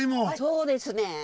そうですねん。